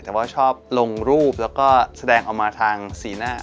แต่ว่าชอบลงรูปแล้วก็แสดงออกมาทางสีหน้า